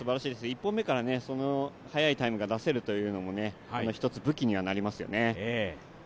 １本目からその速いタイムが出せるというのも一つ武器にはなりますよね。